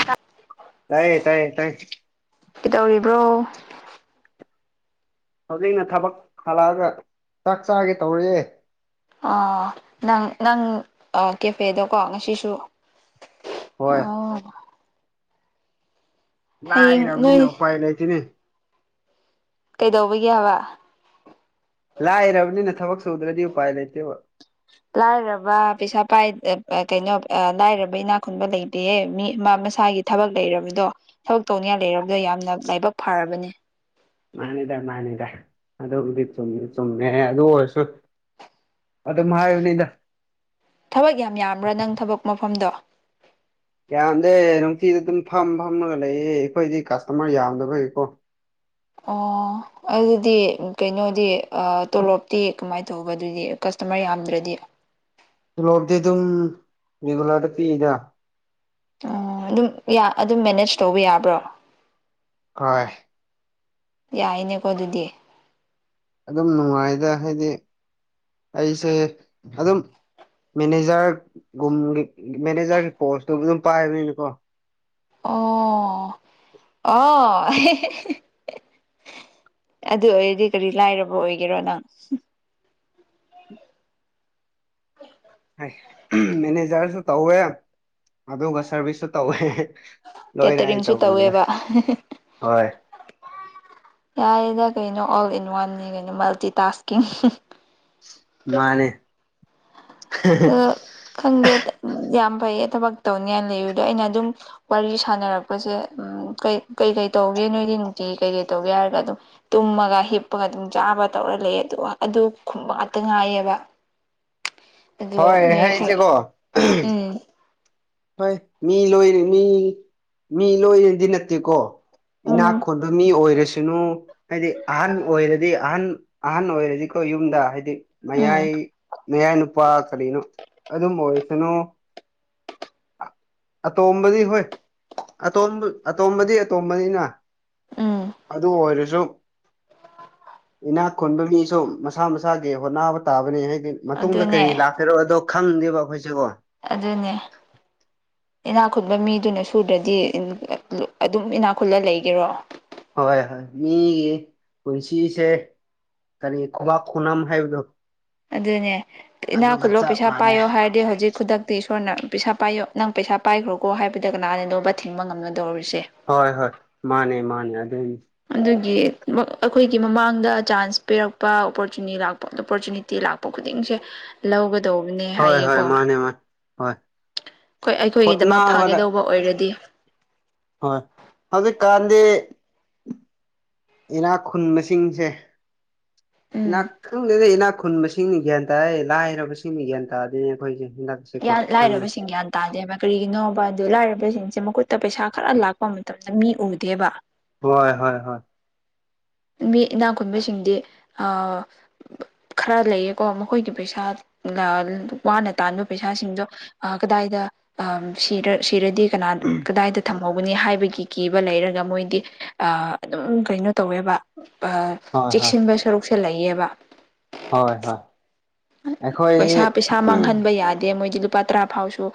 [inaudible] ꯇꯥꯏꯌꯦ ꯇꯥꯏꯌꯦ ꯇꯥꯏꯌꯦ ꯀꯩꯗꯧꯔꯤꯕ꯭ꯔꯣ ꯍꯧꯖꯤꯛꯅ ꯊꯕꯛ ꯍꯜꯂꯛꯑꯒ ꯆꯥꯛ ꯆꯥꯒꯦ ꯇꯧꯔꯤꯌꯦ ꯑ ꯅꯪ ꯅꯪ ꯀꯦꯐꯦꯗꯀꯣ ꯉꯁꯤꯁꯨ ꯍꯣꯏ ꯑꯣ ꯍꯌꯦꯡ ꯂꯥꯛꯔꯕꯅꯤꯅ ꯅꯣꯏ ꯎꯄꯥꯏ ꯂꯩꯇꯦꯅꯦ ꯀꯩꯗꯧꯕꯒꯤ ꯍꯥꯏꯕ ꯂꯥꯏꯔꯕꯅꯤꯅ ꯊꯕꯛ ꯁꯨꯗ꯭ꯔꯗꯤ ꯎꯄꯥꯏ ꯂꯩꯇꯦꯕ ꯂꯥꯏꯔꯕ ꯄꯩꯁꯥ ꯄꯥꯏ ꯀꯩꯅꯣ ꯂꯥꯏꯔꯕ ꯏꯅꯥꯛ ꯈꯨꯨꯟꯕ ꯂꯩꯇꯦꯌꯦ ꯃꯤ ꯃꯁꯥꯒꯤ ꯊꯕꯛ ꯂꯩꯔꯕꯗꯣ ꯊꯕꯛ ꯇꯧꯅꯤꯡꯉꯥꯏ ꯂꯩꯔꯕꯗꯣ ꯌꯥꯝꯅ ꯂꯥꯏꯕꯛ ꯐꯔꯕꯅꯤ ꯃꯥꯅꯤꯗ ꯃꯥꯅꯤꯗ ꯑꯗꯨꯕꯨꯗꯤ ꯆꯨꯝꯗꯤ ꯆꯨꯝꯃꯦ ꯑꯗꯨ ꯑꯣꯏꯔꯁꯨ ꯑꯗꯨꯝ ꯍꯥꯏꯌꯨꯅꯤꯗ ꯊꯕꯛ ꯌꯥꯝ ꯌꯥꯝꯕ꯭ꯔꯥ ꯅꯪ ꯊꯕꯛ ꯃꯐꯝꯗꯣ ꯌꯥꯝꯗꯦ ꯅꯨꯡꯇꯤꯗ ꯑꯗꯨꯝ ꯐꯝ ꯐꯝꯃꯒ ꯂꯩꯌꯦ ꯑꯩꯈꯣꯏꯗꯤ ꯀꯁꯇꯃꯔ ꯌꯥꯝꯗꯕꯒꯤꯀꯣ ꯑꯣ ꯑꯗꯨꯗꯤ ꯀꯩꯅꯣꯗꯤ ꯇꯣꯂꯣꯞꯇꯤ ꯀꯃꯥꯏꯅ ꯇꯧꯕ ꯑꯗꯨꯗꯤ ꯀꯁꯇꯃꯔ ꯌꯥꯝꯗ꯭ꯔꯗꯤ ꯇꯤꯂꯣꯞꯇꯤ ꯑꯗꯨꯝ ꯔꯤꯒꯨꯂꯔꯗ ꯄꯤꯛꯏꯗ ꯑꯣ ꯑꯗꯨꯝ ꯑꯗꯨꯝ ꯃꯦꯅꯦꯖ ꯇꯧꯕ ꯌꯥꯕ꯭ꯔꯣ ꯍ ꯌꯥꯏꯅꯦꯀꯣ ꯑꯗꯨꯗꯤ ꯑꯗꯨꯝ ꯅꯨꯡꯉꯥꯏꯗ ꯍꯥꯏꯗꯤ ꯑꯩꯁꯦ ꯑꯗꯨꯝ ꯃꯦꯅꯦꯖꯔꯒꯨꯝꯒꯤ ꯃꯦꯅꯦꯖꯔꯒꯤ ꯄꯣꯁꯇꯨ ꯑꯗꯨꯝ ꯄꯥꯏꯕꯅꯤꯅꯀꯣ ꯑꯣ ꯑꯣ ꯑꯗꯨ ꯑꯣꯏꯔꯗꯤ ꯀꯔꯤ ꯂꯥꯏꯔꯕ ꯑꯣꯏꯒꯦꯔꯣ ꯅꯪ ꯍꯨꯝ ꯍꯥꯏ ꯃꯦꯅꯦꯖꯔꯁꯨ ꯇꯧꯋꯦ ꯑꯗꯨꯒ ꯁꯥꯔꯚꯤꯁꯁꯨ ꯇꯧꯋꯦ ꯂꯣꯏꯅ ꯑꯩ ꯀꯦꯇꯔꯤꯡꯁꯨ ꯇꯧꯕꯅꯤꯅ ꯇꯧꯋꯦꯕ ꯍꯣꯏ ꯌꯥꯔꯦꯗ ꯀꯩꯅꯣ ꯑꯣꯜ ꯏꯟ ꯋꯥꯟꯅꯦ ꯀꯩꯅꯣ ꯃꯜꯇꯤ ꯇꯥꯁꯀꯤꯡ ꯃꯥꯅꯦ ꯑꯗꯣ ꯈꯪꯗꯦ ꯌꯥꯝ ꯐꯩꯌꯦ ꯊꯕꯛ ꯇꯧꯅꯤꯉꯥꯏꯅ ꯂꯩꯌꯨꯗꯣ ꯑꯩꯅ ꯑꯗꯨꯝ ꯋꯥꯔꯤ ꯁꯥꯟꯅꯔꯛꯄꯁꯦ ꯎꯝ ꯀꯩ ꯀꯩꯀꯩ ꯇꯧꯒꯦ ꯅꯣꯏꯗꯤ ꯅꯨꯡꯇꯤꯒꯤ ꯀꯩꯀꯩ ꯇꯧꯒꯦ ꯍꯥꯏꯔꯒ ꯑꯗꯨꯝ ꯇꯨꯝꯃꯒ ꯍꯤꯞꯄꯒ ꯑꯗꯨꯝ ꯆꯥꯕ ꯇꯧꯔ ꯂꯩ ꯑꯗꯨ ꯑꯗꯨ ꯈꯨꯝꯕꯥꯛꯇ ꯉꯥꯏꯑꯕ ꯍꯣꯏ ꯈꯔ ꯍꯥꯏꯁꯦꯀꯣ ꯎꯝ ꯍꯣꯏ ꯃꯤ ꯂꯣꯏ ꯃꯤ ꯃꯤ ꯂꯣꯏꯔꯤꯗꯤ ꯅꯠꯇꯦꯀꯣ ꯎꯝ ꯏꯅꯥꯛ ꯈꯨꯣꯟꯕ ꯃꯤ ꯑꯣꯏꯔꯁꯅꯨ ꯍꯥꯏꯗꯤ ꯑꯍꯟ ꯑꯣꯏꯔꯗꯤ ꯑꯍꯟ ꯑꯍꯟ ꯑꯣꯏꯔꯗꯤꯀꯣ ꯌꯨꯝꯗ ꯍꯥꯏꯗꯤ ꯎꯝ ꯃꯌꯥꯏ ꯅꯌꯥ ꯅꯨꯨꯄꯥ ꯀꯔꯤꯅꯣ ꯑꯗꯨꯝ ꯑꯣꯏꯔꯁꯅꯨ ꯑꯇꯣꯝꯕꯗꯤ ꯍꯣꯏ ꯑꯇꯣꯝꯕ ꯑꯇꯣꯝꯕꯗꯤ ꯑꯇꯣꯝꯕꯅꯤꯅ ꯎꯝ ꯑꯗꯨ ꯑꯣꯏꯔꯁꯨ ꯏꯅꯥꯛ ꯈꯨꯟꯕꯒꯤꯁꯨ ꯃꯁꯥ ꯃꯁꯥꯒꯤ ꯍꯣꯠꯅꯕ ꯇꯥꯕꯅꯤ ꯍꯥꯏꯗꯤ ꯃꯇꯨꯡꯗ ꯑꯗꯨꯅꯦ ꯀꯔꯤ ꯂꯥꯛꯄꯤꯔꯣ ꯑꯗꯣ ꯈꯪꯗꯦꯕ ꯑꯩꯈꯣꯏꯁꯤꯕꯣ ꯑꯗꯨꯅꯦ ꯏꯅꯥ ꯈꯨꯨꯠꯕ ꯃꯤꯗꯨꯅ ꯁꯨꯗꯔꯗꯤ ꯑꯗꯨꯝ ꯏꯅꯥꯛ ꯈꯨꯠꯂ ꯂꯩꯒꯦꯔꯣ ꯍꯣꯏ ꯍꯣꯏ ꯃꯤꯒꯤ ꯄꯨꯟꯁꯤꯁꯦ ꯀꯔꯤ ꯈꯨꯕꯛ ꯈꯨꯨꯅꯥꯝ ꯍꯥꯏꯕꯗꯣ ꯑꯗꯨꯅꯦ ꯏꯅꯥ ꯑꯗꯨꯒ ꯈꯨꯜꯂꯣ ꯆꯞ ꯄꯩꯁꯥ ꯃꯥꯟꯅꯩ ꯄꯥꯏꯌꯣ ꯍꯥꯏꯔꯗꯤ ꯍꯧꯖꯤꯛ ꯈꯨꯗꯛꯇꯤ ꯏꯁꯣꯔꯅ ꯄꯩꯁꯥ ꯄꯥꯏꯌꯣ ꯅꯪ ꯄꯩꯁꯥ ꯄꯥꯏꯈ꯭ꯔꯣꯀꯣ ꯍꯥꯏꯕꯗ ꯀꯅꯥꯅꯅꯣꯕ ꯊꯤꯡꯕ ꯉꯝꯒꯗꯧꯔꯤꯁꯦ ꯍꯣꯏ ꯍꯣꯏ ꯃꯥꯅꯦ ꯃꯥꯅꯦ ꯑꯗꯨꯝ ꯑꯗꯨꯒꯤ ꯑꯩꯈꯣꯏꯒꯤ ꯃꯃꯥꯡꯗ ꯆꯥꯟꯁ ꯄꯤꯔꯛꯄ ꯑꯣꯄꯣꯔꯆꯨꯅꯤꯇꯤ ꯂꯥꯛꯄ ꯑꯣꯄꯣꯔꯆꯨꯅꯤꯇꯤ ꯇꯤ ꯂꯥꯛꯄ ꯈꯨꯗꯤꯡꯁꯦ ꯂꯧꯒꯗꯧꯕꯅꯦ ꯍꯣꯏ ꯍꯣꯏ ꯍꯥꯏꯌꯦꯀꯣ ꯃꯥꯅꯦ ꯃꯥꯅꯦ ꯍꯣꯏ ꯈꯣꯏ ꯑꯩꯈꯣꯏꯒꯤꯗꯃꯛ ꯍꯣꯠꯅꯕꯗ ꯐꯥꯒꯗꯧꯕ ꯑꯣꯏꯔꯗꯤ ꯑꯣꯏ ꯍꯧꯖꯤꯛꯀꯥꯟꯗꯤ ꯏꯅꯥꯛ ꯈꯨꯟꯕꯁꯤꯡꯁꯦ ꯎꯝ ꯏꯅꯥꯛ ꯈꯨꯟ ꯑꯗꯨꯅꯤ ꯏꯅꯥꯛ ꯈꯨꯟꯕꯁꯤꯡꯅ ꯒ꯭ꯌꯥꯟ ꯇꯥꯥꯏꯌꯦ ꯂꯥꯏꯔꯕꯁꯤꯡꯅ ꯒ꯭ꯌꯥꯟ ꯇꯥꯗꯦꯅꯦ ꯑꯩꯈꯣꯏꯁꯦ ꯈꯪꯗꯦ ꯂꯥꯏꯔꯕꯁꯤꯡ ꯒ꯭ꯌꯥꯟ ꯇꯥꯗꯦꯕ ꯀꯔꯤꯒꯤꯅꯣꯕ ꯑꯗꯨ ꯂꯥꯏꯔꯕꯁꯤꯡꯁꯦ ꯃꯈꯨꯠꯇ ꯄꯩꯁꯥ ꯈꯔ ꯂꯥꯛꯄ ꯃꯇꯝ ꯃꯤ ꯎꯗꯦꯕ ꯍꯣꯏ ꯍꯣꯏ ꯍꯣꯏ ꯃꯤ ꯏꯅꯥꯛ ꯈꯨꯟꯕꯁꯤꯡꯗꯤ ꯑ ꯈꯔ ꯂꯩꯌꯦꯀꯣ ꯃꯈꯣꯏꯒꯤ ꯄꯩꯁꯥ ꯋꯥꯅ ꯇꯥꯟꯕ ꯄꯩꯁꯁꯤꯡꯗꯣ ꯀꯗꯥꯏꯗ ꯑ ꯁꯤꯔ ꯁꯤꯔꯗꯤ ꯀꯅꯥ ꯀꯗꯥꯏꯗ ꯊ ꯇꯧꯕꯅꯤ ꯍꯥꯏꯕꯒꯤ ꯀꯤꯕ ꯂꯩꯔꯒ ꯃꯣꯏꯗꯤ ꯑ ꯑꯗꯨꯝ ꯀꯩꯅꯣ ꯇꯧꯋꯦꯕ ꯑꯥ ꯍꯣꯏ ꯍꯣꯏ ꯆꯦꯛꯁꯤꯟꯕ ꯁꯔꯨꯛꯁꯦ ꯂꯩꯌꯦꯕ ꯍꯣꯏ ꯍꯣꯏ [unintelligible] ꯑꯩꯈꯣꯏꯗꯤ ꯄꯩꯁꯥ ꯄꯩꯁꯥ ꯃꯥꯡꯍꯟꯕ ꯌꯥꯗꯦ ꯃꯣꯏꯗꯤ ꯂꯨꯄꯥ ꯇꯔꯥ ꯐꯥꯎꯁꯨ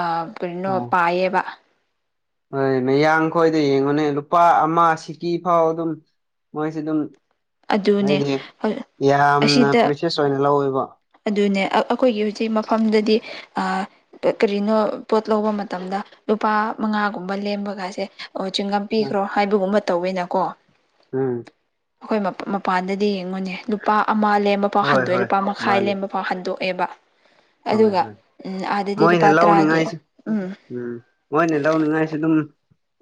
ꯑ ꯀꯔꯤꯅꯣ ꯍꯣꯏ ꯄꯥꯏꯌꯦꯕ ꯍꯣꯏ ꯃꯌꯥꯡ ꯈꯣꯏꯗꯤ ꯌꯦꯡꯉꯨꯅꯦ ꯂꯨꯄꯥ ꯑꯃ ꯁꯤꯀꯤ ꯐꯥꯎ ꯑꯗꯨꯝ ꯃꯣꯏꯁꯦ ꯑꯗꯨꯝ ꯑꯗꯨꯅꯦ ꯍꯥꯏꯗꯤ ꯌꯥꯝꯅ ꯑꯁꯤꯗ ꯄ꯭꯭ꯔꯤꯁꯦꯁ ꯑꯣꯏꯅ ꯂꯧꯋꯦꯕ ꯑꯗꯨꯅꯦ ꯑꯩꯈꯣꯏꯒꯤ ꯍꯧꯖꯤꯛ ꯃꯐꯝꯗꯨꯗꯤ ꯑꯥ ꯀꯔꯤꯅꯣ ꯄꯣꯠ ꯂꯧꯕ ꯃꯇꯝꯗ ꯂꯨꯄꯥ ꯃꯉꯥꯒꯨꯝꯕ ꯂꯦꯝꯕꯒꯁꯦ ꯆꯤꯡꯉꯝ ꯄꯤꯈ꯭ꯔꯣ ꯍꯥꯏꯕꯒꯨꯝꯕ ꯇꯧꯋꯦꯅꯀꯣ ꯎꯝ ꯑꯩꯈꯣꯏ ꯃꯄꯥꯟꯗꯗꯤ ꯌꯦꯡꯉꯨꯅꯦ ꯂꯨꯄꯥ ꯑꯃ ꯂꯦꯝꯕ ꯄꯥꯎ ꯍꯣꯏ ꯍꯟꯗꯣꯛ ꯍꯣꯏ ꯂꯨꯄꯥ ꯃꯈꯥꯏ ꯃꯥꯅꯦ ꯂꯦꯝꯕ ꯐꯥꯎ ꯍꯟꯗꯣꯛꯑꯦꯕ ꯍꯣꯏ ꯑꯗꯨꯒ ꯍꯣꯏ ꯎꯝ ꯑꯥꯗꯗꯤ ꯃꯣꯏꯅ ꯂꯨꯄꯥ ꯇꯔꯥꯒꯤ ꯂꯧꯅꯤꯡꯉꯥꯏꯁꯨ ꯎꯝ ꯎꯝ ꯃꯣꯏꯅ ꯂꯧꯅꯤꯡꯉꯥꯏꯁꯨ ꯑꯗꯨꯝ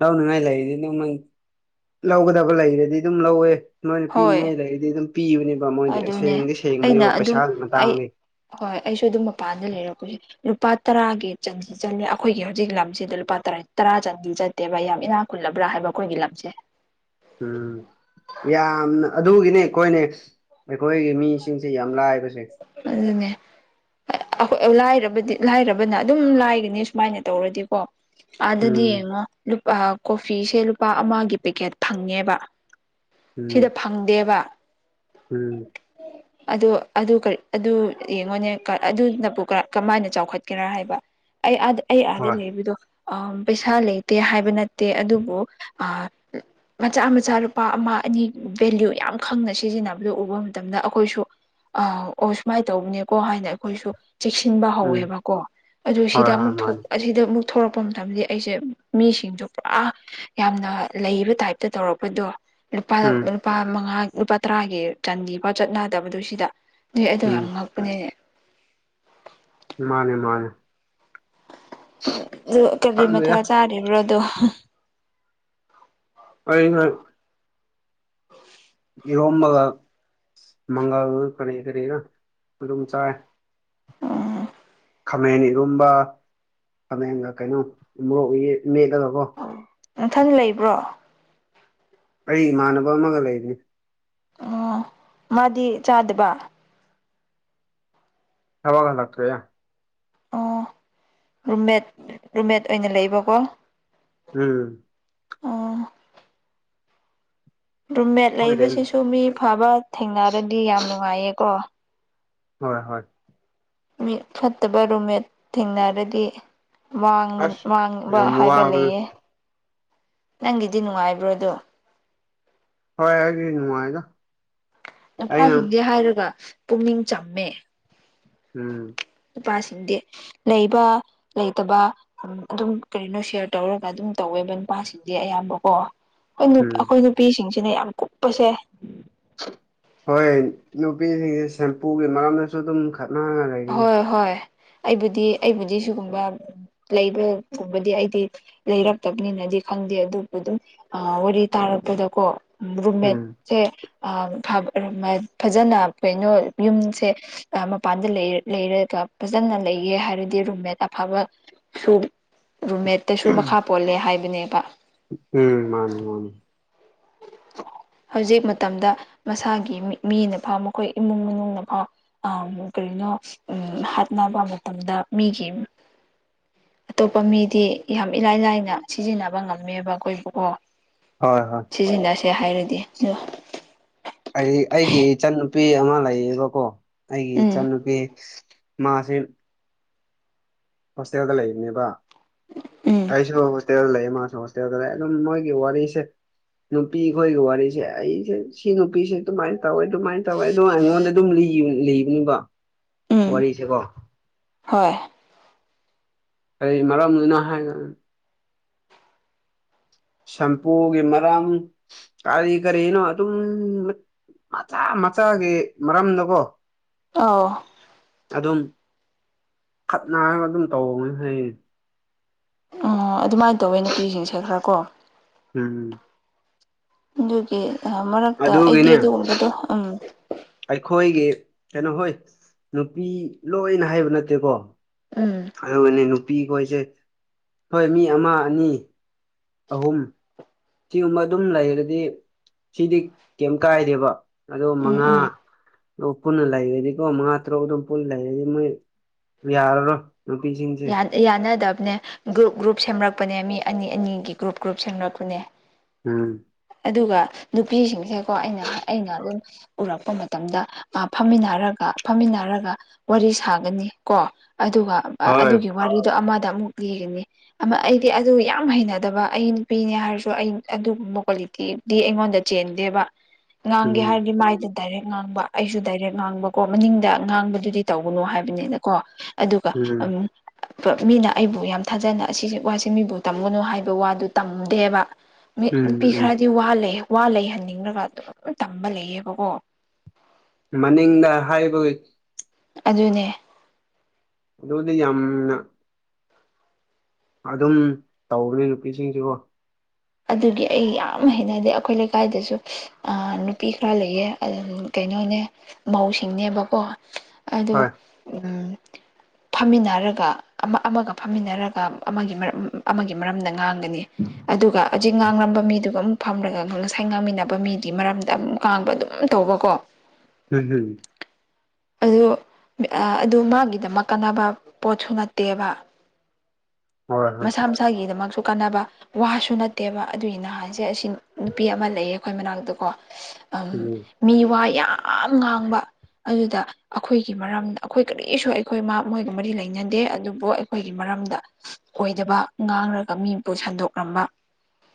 ꯂꯧꯅꯤꯡꯉꯥꯏ ꯂꯩꯔꯤꯗꯤ ꯑꯗꯨꯝ ꯂꯧꯒꯗꯕ ꯂꯩꯔꯗꯤ ꯑꯗꯨꯝ ꯂꯧꯋꯦ ꯅꯣꯏꯅ ꯍꯣꯏ ꯄꯤꯅꯤꯡꯉꯥꯏ ꯂꯩꯗꯤ ꯑꯗꯨꯝ ꯄꯤꯕꯅꯦꯕ ꯃꯣꯏꯗꯤ ꯑꯗꯨꯅꯦ ꯁꯦꯡꯗꯤ ꯑꯩꯅ ꯁꯦꯡꯕꯅꯦꯕ ꯑꯗꯨꯝ ꯄꯩꯁꯥꯒꯤ ꯑꯩ ꯃꯇꯥꯡꯗꯤ ꯍꯣꯏ ꯑꯩꯁꯨ ꯑꯗꯨꯝ ꯃꯄꯥꯟꯗ ꯂꯩꯔꯛꯄꯁꯦ ꯂꯨꯄꯥ ꯇꯔꯥꯒꯤ ꯆꯟꯗꯤ ꯆꯠꯂ ꯑꯩꯈꯣꯏꯒꯤ ꯍꯧꯖꯤꯛ ꯂꯝꯁꯤꯗ ꯂꯨꯄꯥ ꯇꯔꯥ ꯆꯟꯗꯤ ꯆꯠꯂꯤ ꯅꯠꯇꯦꯕ ꯌꯥꯝ ꯏꯅꯥ ꯈꯨꯜꯂꯕ꯭ꯔꯥ ꯍꯥꯏꯕ ꯑꯩꯈꯣꯏꯒꯤ ꯂꯝꯁꯦ ꯎꯝ ꯌꯥꯝꯅ ꯑꯗꯨꯒꯤꯅꯦ ꯑꯩꯈꯣꯏꯅꯦ ꯑꯩꯈꯣꯏꯒꯤ ꯃꯤꯁꯤꯡꯁꯦ ꯌꯥꯝ ꯂꯥꯏꯕꯁꯦ ꯑꯗꯨꯅꯦ ꯑꯦ ꯑꯩ ꯈꯣꯏ ꯏꯔꯕꯗꯤ ꯂꯥꯏꯔꯕꯅ ꯑꯗꯨꯝ ꯂꯥꯏꯔꯅꯤ ꯁꯨꯃꯥꯏꯅ ꯇꯧꯔꯗꯤꯀꯣ ꯑꯗꯨꯗꯤ ꯎꯝ ꯌꯦꯡꯉꯣ ꯂꯨꯄꯥ ꯀꯣꯐꯤꯁꯦ ꯂꯨꯄꯥ ꯑꯃꯒꯤ ꯄꯦꯛꯀꯦꯠ ꯐꯪꯉꯦꯕ ꯁꯤꯗ ꯎꯝ ꯐꯪꯗꯦꯕ ꯎꯝ ꯑꯗꯣ ꯑꯗꯨ ꯀꯥꯔꯤ ꯑꯗꯨ ꯌꯦꯡꯉꯣꯅꯦ ꯑꯗꯨꯅꯕꯨ ꯀꯥ ꯀꯃꯥꯏꯅ ꯆꯥꯎꯈꯠꯀꯦꯔꯥ ꯍꯥꯏꯕ ꯑꯩ ꯑꯥꯗ ꯑꯩ ꯑꯥꯗ ꯍꯣꯏ ꯂꯩꯕꯤꯗꯣ ꯑꯥꯝ ꯄꯩꯁꯥ ꯂꯩꯇꯦ ꯍꯥꯏꯕ ꯅꯠꯇꯦ ꯑꯗꯨꯕꯨ ꯑꯥ ꯃꯆꯥ ꯃꯆꯥ ꯂꯨꯄꯥ ꯑꯃ ꯑꯅꯤ ꯚꯦꯂꯌꯨ ꯌꯥꯝ ꯈꯪꯅ ꯁꯤꯖꯤꯟꯅꯕꯗꯨ ꯎꯕ ꯃꯇꯝꯗ ꯑꯩꯈꯣꯏꯁꯨ ꯑ ꯑꯣ ꯁꯨꯃꯥꯏꯅ ꯇꯧꯕꯅꯦꯀꯣ ꯍꯥꯏꯅ ꯑꯩꯈꯣꯏꯁꯨ ꯆꯦꯛꯁꯤꯟꯕ ꯎꯝ ꯍꯧꯋꯦꯕꯀꯣ ꯑꯗꯨ ꯍꯣꯏ ꯁꯤꯗ ꯍꯣꯏ ꯑꯃꯨꯛ ꯃꯥꯅꯤ ꯊꯣꯛꯄ [unintelligible] ꯑꯁꯤꯗ ꯑꯃꯨꯛ ꯊꯣꯛꯂꯛꯄ ꯃꯇꯝꯗ ꯑꯩꯁꯦ ꯃꯤꯁꯤꯡꯁꯨ ꯄꯨꯔꯥ ꯌꯥꯝꯅ ꯂꯩꯕ ꯇꯥꯏꯞꯇ ꯇꯧꯔꯛꯄꯗꯣ ꯂꯨꯄꯥ ꯎꯝ ꯂꯨꯄꯥ ꯃꯉꯥ ꯂꯨꯄꯥ ꯇꯔꯥꯒꯤ ꯆꯟꯗꯤꯐꯥꯎ ꯆꯠꯅꯥꯗꯕꯗꯣ ꯁꯤꯗꯥ ꯑꯦ ꯑꯩꯗꯣ ꯌꯥꯝ ꯉꯛꯄꯅꯦ ꯃꯥꯅꯦ ꯃꯥꯅꯦ ꯑꯗꯨ ꯀꯔꯤ ꯃꯊꯥ ꯈꯪꯗꯦꯗ ꯆꯥꯔꯤꯕ꯭ꯔꯣꯗꯣ ꯑꯩꯅ ꯏꯔꯣꯝꯕꯒ ꯃꯪꯒꯜ ꯀꯔꯤ ꯀꯔꯤꯅ ꯑꯗꯨꯝ ꯆꯥꯏ ꯑꯥ ꯈꯥꯃꯦꯟ ꯏꯔꯣꯝꯕ ꯈꯥꯃꯦꯟꯒ ꯀꯩꯅꯣ ꯃꯣꯔꯣꯛ ꯃꯦ ꯃꯦꯠꯂꯒꯀꯣ ꯅꯨꯡꯊꯪ ꯂꯩꯕ꯭ꯔꯣ ꯑꯩ ꯏꯃꯥꯟꯅꯕ ꯑꯃꯒ ꯂꯩꯕꯅꯤ ꯑꯣ ꯃꯥꯗꯤ ꯆꯥꯗꯕ ꯌꯥꯕ ꯥꯛꯇꯔ ꯌꯥꯌꯥ ꯑꯣ ꯔꯨꯝꯃꯦꯠ ꯔꯨꯝꯃꯦꯠ ꯑꯣꯏꯅ ꯂꯩꯕꯀꯣ ꯎꯝ ꯑꯣ ꯔꯨꯝꯃꯦꯠ ꯍꯣꯏꯔꯦꯟ ꯂꯩꯕꯁꯤꯁꯨ ꯃꯤ ꯐꯕ ꯊꯦꯡꯅꯔꯗꯤ ꯌꯥꯝ ꯅꯨꯡꯉꯥꯏꯌꯦꯀꯣ ꯍꯣꯏ ꯍꯣꯏ ꯃꯤ ꯐꯠꯇꯕ ꯔꯨꯝꯃꯦꯠ ꯊꯦꯡꯅꯔꯗꯤ ꯃꯥꯡꯕꯅ‌ꯦ ꯑꯁ ꯃꯥꯡꯕ ꯌꯥꯝ ꯍꯥꯏꯕ ꯋꯥꯕꯗꯨ ꯂꯩꯌꯦ ꯅꯪꯒꯤꯗꯤ ꯅꯨꯡꯉꯥꯏꯕ꯭ꯔꯣꯗꯣ ꯍꯣꯏ ꯍꯥꯏ ꯅꯨꯡꯉꯥꯏꯗꯣ ꯅꯨꯄꯥꯁꯤꯡꯖꯦ ꯍꯥꯏꯔꯒ ꯄꯨꯛꯅꯤꯡ ꯆꯝꯃꯦ ꯎꯝ ꯅꯨꯄꯥꯁꯤꯡꯗꯤ ꯂꯩꯕ ꯂꯩꯇꯕ ꯑꯗꯨꯝ ꯀꯔꯤꯅꯣ ꯁꯤꯌꯥꯔ ꯇꯧꯔꯒ ꯑꯗꯨꯝ ꯇꯧꯋꯦꯕ ꯅꯨꯄꯥꯁꯤꯡꯗꯤ ꯑꯌꯥꯝꯕꯀꯣ ꯎꯝ ꯑꯩꯈꯣꯏ ꯅꯨꯄꯤꯁꯤꯡꯁꯤꯅꯦ ꯌꯥꯝ ꯀꯨꯞꯄꯁꯦ ꯍꯣꯏ ꯅꯨꯄꯤꯁꯤꯡꯁꯦ ꯁꯦꯝꯄꯨꯒꯤ ꯃꯔꯝꯗꯁꯨ ꯑꯗꯨꯝ ꯈꯠꯅꯒꯅꯤ ꯍꯣꯏ ꯍꯣꯏ ꯑꯩꯕꯨꯗꯤ ꯑꯩꯕꯨꯗꯤ ꯁꯤꯒꯨꯝꯕ ꯂꯩꯕꯒꯨꯝꯕꯗꯤ ꯑꯩꯗꯤ ꯂꯩꯔꯛꯇꯕꯅꯤꯅꯗꯤ ꯈꯪꯗꯦ ꯑꯗꯨꯕꯨ ꯑꯗꯨꯝ ꯋꯥꯔꯤ ꯇꯥꯔꯛꯄꯗꯀꯣ ꯔꯨꯝꯃꯦꯠ ꯎꯝ ꯁꯦ [unintelligible] ꯐꯖꯅ ꯀꯩꯅꯣ ꯌꯨꯝꯁꯦ ꯃꯄꯥꯟ ꯂꯩꯔ ꯂꯩꯔꯒ ꯐꯖꯅ ꯂꯩꯌꯦ ꯍꯥꯏꯔꯗꯤ ꯔꯨꯝꯃꯦꯠ ꯑꯐꯕ ꯁꯨ ꯔꯨꯝꯃꯦꯠꯇꯁꯨ ꯃꯈꯥ ꯄꯣꯜꯂꯦ ꯍꯥꯏꯕꯅꯦꯕ ꯎꯝ ꯃꯥꯅꯤ ꯃꯥꯅꯤ ꯍꯧꯖꯤꯛ ꯃꯇꯝꯗ ꯃꯁꯥꯒꯤ ꯃꯤꯅ ꯐꯥꯎ ꯃꯈꯣꯏ ꯏꯃꯨꯡ ꯃꯅꯨꯡꯅ ꯐꯥꯎ ꯑ ꯀꯅꯣ ꯎ ꯍꯥꯠꯅꯕ ꯃꯇꯝꯗ ꯃꯤꯒꯤ ꯑꯇꯣꯞꯄ ꯃꯤꯗꯤ ꯌꯥꯝ ꯏꯂꯥꯏ ꯂꯥꯏꯅ ꯁꯤꯖꯤꯟꯅꯕ ꯉꯝꯃꯦꯕ ꯑꯩꯈꯣꯏꯕꯨ ꯑꯣ ꯍꯣꯏ ꯍꯣꯏ ꯁꯤꯖꯤꯟꯅꯁꯦ ꯍꯥꯏꯔꯗꯤ ꯑꯩ ꯑꯩꯒꯤ ꯏꯆꯟꯅꯨꯄꯤ ꯑꯃꯥ ꯂꯩꯌꯦꯕꯀꯣ ꯑꯩꯒꯤ ꯎꯝ ꯏꯆꯟꯅꯨꯄꯤ ꯃꯥꯁꯦ ꯍꯣꯁꯇꯦꯜꯗ ꯂꯩꯕꯅꯦꯕ ꯎꯝ ꯑꯩꯁꯨ ꯍꯣꯁꯇꯦꯜꯗ ꯂꯩ ꯃꯥꯁꯨ ꯍꯣꯁꯇꯦꯜꯗ ꯂꯩ ꯑꯗꯨꯝ ꯃꯣꯏꯒꯤ ꯋꯥꯔꯤꯁꯦ ꯅꯨꯄꯤ ꯈꯣꯏꯒꯤ ꯋꯥꯔꯤꯁꯦ ꯑꯩꯁꯦ ꯁꯤ ꯅꯨꯄꯤꯁꯦ ꯑꯗꯨꯃꯥꯏꯅ ꯇꯧꯋꯤ ꯑꯗꯨꯃꯥꯏꯅ ꯇꯧꯋꯦ ꯑꯗꯨꯗꯣ ꯑꯩꯉꯣꯟꯗ ꯑꯗꯨꯝ ꯂꯤꯕ ꯂꯤꯅꯤꯡꯕ ꯎꯝ ꯋꯥꯔꯤꯁꯦꯀꯣ ꯍꯣꯏ ꯀ ꯃꯔꯝꯗꯨꯅ ꯍꯥꯏ ꯁꯝꯄꯨꯒꯤ ꯃꯔꯝ ꯀꯔꯤ ꯀꯔꯤꯅꯣ ꯑꯗꯨꯝ ꯃꯆꯥ ꯃꯆꯥꯒꯤ ꯃꯔꯝꯗꯀꯣ ꯑꯥꯎ ꯑꯗꯨꯝ ꯈꯠꯅꯔꯒ ꯑꯗꯨꯝ ꯇꯧꯕꯅ ꯍꯥꯏꯩꯌꯦ ꯑ ꯑꯗꯨꯃꯥꯏ ꯇꯧꯋꯦ ꯅꯨꯄꯤꯁꯤꯡꯁꯦ ꯈꯔ ꯀꯣ ꯎꯝꯝ ꯑꯗꯨꯒꯤ ꯑꯍ ꯃꯔꯛꯇ ꯑꯩꯗꯤ ꯑꯗꯨꯒꯤꯅꯦ ꯑꯗꯨꯒꯨꯝꯕꯗꯣ ꯎꯝ ꯑꯩꯈꯣꯏꯒꯤ ꯀꯩꯅꯣ ꯍꯣꯏ ꯅꯨꯄꯤ ꯂꯣꯏꯅ ꯍꯥꯏꯕ ꯅꯠꯇꯦꯀꯣ ꯎꯝ ꯑꯗꯨꯒꯅꯦ ꯅꯨꯄꯤꯈꯣꯏꯁꯦ ꯍꯣꯏ ꯃꯤ ꯑꯃꯥ ꯑꯅꯤ ꯑꯍꯨꯝ ꯁꯤꯒꯨꯝꯕ ꯑꯗꯨꯝ ꯂꯩꯔꯗꯤ ꯁꯤꯗꯤ ꯀꯩꯝ ꯀꯥꯏꯗꯦꯕ ꯑꯗꯣ ꯎꯝ ꯃꯉꯥ ꯎꯝ ꯑꯣ ꯄꯨꯟꯅ ꯂꯩꯔꯗꯤꯀꯣ ꯃꯉꯥ ꯇꯔꯨꯛ ꯑꯗꯨꯝ ꯄꯨꯟꯅ ꯂꯩꯔꯗꯤ ꯃꯣꯏ ꯌꯥꯔꯔꯣꯏ ꯅꯨꯄꯤꯁꯤꯡꯁꯦ ꯑꯦ ꯌꯥꯅꯗꯕꯅꯦ ꯒ꯭ꯔꯨꯞ ꯒ꯭ꯔꯨꯞ ꯁꯦꯝꯂꯛꯄꯅꯦ ꯃꯤ ꯑꯅꯤ ꯑꯅꯤꯒꯤ ꯒ꯭ꯔꯨꯞ ꯒ꯭ꯔꯨꯞ ꯁꯦꯝꯂꯛꯄꯅꯦ ꯎꯝ ꯑꯗꯨꯒ ꯅꯨꯄꯤꯁꯤꯡꯁꯦꯀꯣ ꯑꯩꯅ ꯑꯩꯅ ꯑꯗꯨꯝ ꯎꯔꯛꯄ ꯃꯇꯝꯗ ꯃꯥ ꯐꯝꯃꯤꯟꯅꯔꯒ ꯐꯝꯃꯤꯟꯅꯔꯒ ꯋꯥꯔꯤ ꯁꯥꯒꯅꯤ ꯀꯣ ꯑꯗꯨꯒ ꯍꯣꯏ ꯑꯗꯨꯒꯤ ꯋꯥꯔꯤꯗꯣ ꯑꯃꯗ ꯑꯃꯨꯛ ꯂꯤꯒꯅꯤ ꯑꯩꯗꯤ ꯑꯗꯨ ꯌꯥꯝ ꯍꯩꯅꯗꯕ ꯑꯩ ꯅꯨꯄꯤꯅꯦ ꯍꯥꯏꯔꯁꯨ ꯑꯩ ꯑꯗꯨꯒꯨꯝꯕ ꯀ꯭ꯋꯥꯂꯤꯇꯤ ꯗꯤ ꯑꯩꯉꯣꯟꯗ ꯆꯦꯟꯗꯦꯕ ꯉꯥꯡꯒꯦ ꯎꯝ ꯍꯥꯏꯔꯗꯤ ꯃꯥꯏꯗ ꯗꯥꯏꯔꯦꯛ ꯉꯥꯡꯕ ꯑꯩꯁꯨ ꯗꯥꯏꯔꯦꯛ ꯉꯥꯡꯕꯀꯣ ꯃꯅꯤꯡꯗ ꯉꯥꯡꯕꯗꯨꯗꯤ ꯇꯧꯕꯅꯣ ꯍꯥꯏꯕꯅꯤꯅꯀꯣ ꯑꯗꯨꯒ ꯎꯝ ꯎ ꯃꯤꯅ ꯑꯩꯕꯨ ꯌꯥꯝ ꯊꯥꯖꯅ ꯑꯁꯤ ꯋꯥꯁꯦ ꯃꯤꯕꯨ ꯇꯝꯒꯅꯨ ꯍꯥꯏꯕ ꯋꯥꯗꯨ ꯇꯝꯗꯦꯕ ꯃꯤ ꯎꯝ ꯅꯨꯄꯤ ꯎꯝ ꯈꯔꯗꯤ ꯋꯥ ꯂꯩ ꯋꯥ ꯂꯩꯍꯟꯅꯤꯡꯂꯒ ꯑꯗꯨꯝ ꯇꯝꯕ ꯂꯩꯌꯦꯕꯀꯣ ꯃꯅꯤꯡꯗ ꯍꯥꯏꯕꯒꯤ ꯑꯗꯨꯅꯦ ꯑꯗꯨꯗꯤ ꯌꯥꯝꯅ ꯑꯗꯨꯝ ꯇꯧꯅꯤ ꯅꯨꯄꯤꯁꯤꯡꯁꯤꯕꯣ ꯑꯗꯨꯒꯤ ꯑꯩ ꯌꯥꯝꯅ ꯍꯩꯅꯗꯦ ꯑꯩꯈꯣꯏ ꯂꯩꯀꯥꯏꯗꯁꯨ ꯅꯨꯄꯤ ꯈꯔ ꯂꯩꯌꯦꯝ ꯀꯩꯅꯣꯅꯦ ꯃꯧꯁꯤꯡꯅꯦꯕꯀꯣ ꯑꯗꯣ ꯍꯣꯏ ꯎꯝ ꯐꯝꯃꯤꯟꯅꯔꯒ ꯑꯃ ꯑꯃꯒ ꯐꯝꯃꯤꯟꯅꯔꯒ ꯑꯃꯒꯤ ꯃꯔꯝ ꯑꯃꯒꯤ ꯃꯔꯝꯗ ꯉꯥꯡ ꯅꯤ ꯑꯗꯨꯒ ꯍꯧꯖꯤꯛ ꯉꯥꯡꯂꯝꯕ ꯃꯤꯗꯨꯒ ꯑꯃꯨꯛ ꯐꯝꯂꯒ ꯉꯁꯥꯏ ꯉꯥꯡꯃꯤꯟꯅꯕ ꯃꯤꯗꯤ ꯃꯔꯝꯗ ꯑꯃꯨꯛ ꯀꯥꯡꯥꯡꯕ ꯑꯗꯨꯝ ꯇꯧꯕꯀꯣ ꯍꯝ ꯍꯨꯝ ꯑꯗꯨ ꯑꯗꯨ ꯃꯥꯒꯤꯗꯃꯛ ꯀꯥꯟꯅꯕ ꯄꯣꯠꯁꯨ ꯅꯠꯇꯦꯕ ꯍꯣꯏ ꯍꯣꯏ ꯃꯁꯥ ꯃꯁꯥꯒꯤꯗꯃꯛꯁꯨ ꯀꯥꯟꯅꯕ ꯋꯥꯁꯨ ꯅꯠꯇꯦꯕ ꯑꯗꯨꯒꯤ ꯅꯍꯥꯟꯁꯦ ꯑꯁꯤ ꯅꯨꯄꯤ ꯑꯃ ꯂꯩꯌꯦ ꯑꯩꯈꯣꯏ ꯃꯅꯥꯛꯇꯀꯣ ꯎꯝ ꯃꯤ ꯋꯥ ꯌꯥꯝ ꯉꯥꯡꯕ ꯑꯗꯨꯗ ꯑꯩꯈꯣꯏꯒꯤ ꯃꯔꯝꯗ ꯑꯩꯈꯣꯏ ꯀꯔꯤꯁꯨ ꯑꯩꯈꯣꯏ ꯃꯣꯏꯒ ꯃꯔꯤ ꯂꯩꯅꯗꯦ ꯑꯗꯨꯕꯨ ꯑꯩꯈꯣꯏꯒꯤ ꯃꯔꯝꯗ ꯑꯣꯏꯗꯕ ꯉꯥꯡꯔꯒ ꯃꯤꯄꯨ ꯁꯟꯗꯣꯛꯂꯝꯝꯕ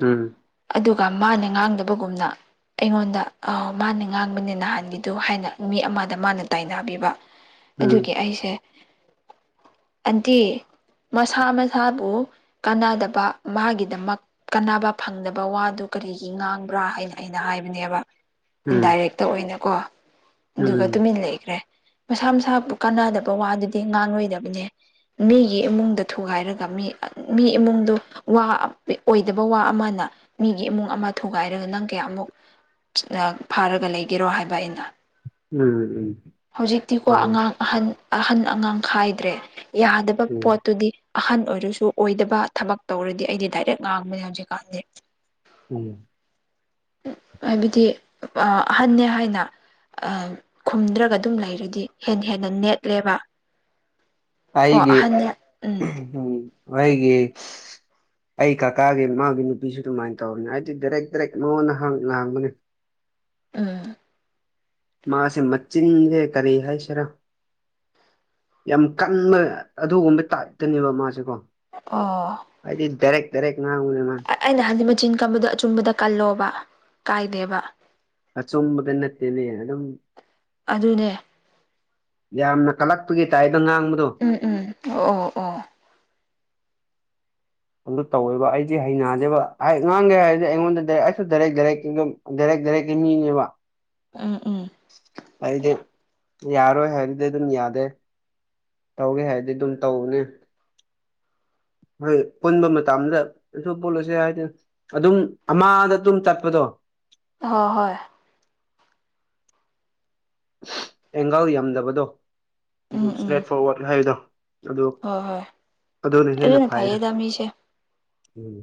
ꯎꯝ ꯑꯗꯨꯒ ꯃꯥꯅ ꯉꯥꯡꯗꯕꯒꯨꯝꯅ ꯑꯩꯉꯣꯟꯗ ꯃꯥꯅ ꯉꯥꯡꯕꯅꯦ ꯅꯍꯥꯟꯅꯤꯗꯨ ꯍꯥꯏꯅ ꯃꯤ ꯑꯃꯗ ꯃꯥꯅ ꯇꯥꯏꯅꯥꯕꯤꯕ ꯎꯝ ꯑꯗꯨꯒꯤ ꯑꯩꯁꯦ ꯑꯟꯇꯤ ꯃꯁꯥ ꯃꯁꯥꯕꯨ ꯀꯥꯟꯅꯗꯕ ꯃꯥꯒꯤꯗꯃꯛ ꯀꯥꯟꯅꯕ ꯐꯪꯗꯕ ꯋꯥꯗꯨ ꯀꯔꯤꯒꯤ ꯉꯥꯡꯕ꯭ꯔꯥ ꯍꯥꯏꯅ ꯑꯩꯅ ꯍꯥꯏꯕꯅꯦꯕ ꯎꯝ ꯏꯟꯗꯥꯏꯔꯦꯛꯇ ꯑꯣꯏꯅꯀꯣ ꯑꯗꯨꯒ ꯇꯨꯃꯤꯟꯂꯩ ꯈ꯭ꯔꯦ ꯃꯁꯥ ꯃꯁꯥꯕꯨ ꯀꯥꯟꯅꯗꯕ ꯋꯥꯗꯨꯗꯤ ꯉꯥꯡꯂꯣꯏꯗꯕꯅꯦ ꯃꯤꯒꯤ ꯏꯃꯨꯡꯗ ꯊꯨꯒꯥꯏꯔꯒ ꯃꯤ ꯃꯤ ꯏꯃꯨꯡꯗꯣ ꯋꯥ ꯑꯣꯏꯗꯕ ꯋꯥ ꯑꯃꯅ ꯃꯤꯒꯤ ꯏꯃꯨꯡ ꯑꯃ ꯊꯨꯒꯥꯏꯔꯒ ꯅꯪ ꯀꯌꯥꯃꯨꯛ ꯐꯥꯔꯒ ꯂꯩꯒꯦꯔꯣ ꯍꯥꯏꯕ ꯑꯩꯅ ꯎꯝ ꯎꯝ ꯍꯧꯖꯤꯛꯇꯤꯀꯣ ꯑꯥ ꯑꯉꯥꯡ ꯑꯍꯟ ꯑꯍꯟ ꯑꯉꯥꯡ ꯈꯥꯏꯗ꯭ꯔꯦ ꯌꯥꯗꯕ ꯎꯝ ꯄꯣꯠꯇꯨꯗꯤ ꯑꯍꯟ ꯑꯣꯏꯔꯁꯨ ꯑꯣꯏꯗꯕ ꯊꯕꯛ ꯇꯧꯔꯗꯤ ꯑꯩꯗꯤ ꯗꯥꯏꯔꯦꯛ ꯉꯥꯡꯕꯅꯦ ꯍꯧꯖꯤꯛꯀꯥꯟꯗꯤ ꯎꯝ [inaudible] ꯍꯥꯏꯕꯗꯤ ꯑꯍꯟꯅꯦ ꯍꯥꯏꯅ ꯈꯨꯝꯗ꯭ꯔꯕ ꯑꯗꯨꯝ ꯂꯩꯔꯗꯤ ꯍꯦꯟꯅ ꯍꯦꯟꯅ ꯅꯦꯠꯂꯦꯕ ꯀꯣ ꯀꯩꯒꯤ ꯑꯍꯟꯅ ꯎꯝ ꯎꯝ ꯍꯩꯒꯤ ꯑꯩ ꯀꯥꯀꯥꯒꯤ ꯃꯥꯒꯤ ꯅꯨꯄꯤꯁꯨ ꯑꯗꯨꯃꯥꯏꯅ ꯇꯧꯔꯅꯤ ꯑꯩꯗꯤ ꯗꯥꯏꯔꯦꯛ ꯗꯥꯏꯔꯦꯛ ꯅꯉꯣꯟꯗꯥꯡꯕꯅꯤ ꯎꯝ ꯃꯥꯁꯦ ꯃꯆꯤꯟꯖꯦ ꯀꯔꯤ ꯍꯥꯏꯁꯤꯔꯥ ꯌꯥꯝ ꯀꯟꯕ ꯑꯗꯨꯒꯨꯝꯕ ꯇꯥꯏꯞꯇꯅꯦꯕ ꯃꯥꯁꯦꯀꯣ ꯑꯥ ꯑꯩꯗꯤ ꯗꯔꯦꯛ ꯗꯔꯛ ꯃꯥꯅꯥ ꯎꯨꯅꯦ ꯃꯥ ꯑꯩꯅ ꯍꯥꯏꯕꯗꯤ ꯃꯆꯤꯟ ꯀꯝꯕꯗꯣ ꯑꯆꯨꯝꯕꯗ ꯀꯜꯂꯣꯕ ꯀꯥꯏꯗꯦꯕ ꯑꯆꯨꯝꯕꯗꯤ ꯅꯠꯇꯦꯅꯦ ꯑꯗꯨꯝ ꯑꯗꯨꯅꯦ ꯌꯥꯝꯅ ꯀꯜꯂꯛꯄꯒꯤ ꯇꯥꯏꯗꯣ ꯉꯥꯡꯕꯗꯣ ꯎꯝ ꯎꯝ ꯑꯣ ꯑꯣ ꯑꯣ ꯑꯗꯨ ꯇꯧꯋꯦꯕ ꯑꯩꯗꯤ ꯍꯩꯅꯗꯦꯕ ꯍꯥꯏ ꯉꯥꯡꯒꯦ ꯍꯥꯏꯔꯁꯗꯤ ꯑꯩꯉꯣꯟꯗ ꯗꯥꯏꯔ ꯑꯩꯁꯨ ꯗꯥꯏꯔꯦꯛ ꯗꯥꯏꯔꯦꯛꯝ ꯗꯥꯏꯔꯦꯛ ꯗꯥꯏꯔꯦꯛꯀꯤ ꯃꯤꯅꯦꯕ ꯑꯥꯝ ꯑꯥꯝ ꯑꯩꯗꯤ ꯌꯥꯔꯣꯏ ꯍꯥꯏꯔꯗꯤ ꯑꯗꯨꯝ ꯌꯥꯗꯦ ꯇꯧꯒꯦ ꯍꯥꯏꯗꯤ ꯑꯗꯨꯝ ꯇꯧꯕꯅꯦ ꯍꯣꯏ ꯄꯨꯟꯕ ꯃꯇꯝꯗ ꯑꯗꯨ ꯄꯨꯜꯂꯨꯁꯦ ꯍꯥꯏꯗꯤ ꯑꯗꯨꯝ ꯑꯃꯗ ꯑꯗꯨꯝ ꯆꯠꯄꯗꯣ ꯍꯣ ꯍꯣꯏ ꯑꯦꯡꯒꯜ ꯌꯥꯝꯗꯕꯗꯣ ꯑꯗꯨ ꯎꯝ ꯎꯝ ꯏꯁꯇ꯭ꯔꯦꯠ ꯐꯣꯔꯋꯥꯔꯗ ꯍꯥꯏꯕꯗꯣ ꯑꯗꯨ ꯍꯣꯏ ꯍꯣꯏ ꯑꯗꯨꯅ ꯍꯦꯟꯅ ꯐꯥꯏꯅ ꯐꯩꯌꯦꯗ ꯃꯤꯁꯦ ꯎꯝ